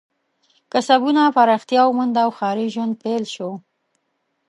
کسبونه پراختیا ومونده او ښاري ژوند پیل شو.